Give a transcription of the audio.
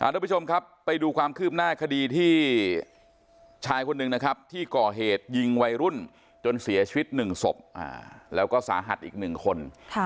ทุกผู้ชมครับไปดูความคืบหน้าคดีที่ชายคนหนึ่งนะครับที่ก่อเหตุยิงวัยรุ่นจนเสียชีวิต๑ศพแล้วก็สาหัสอีก๑คน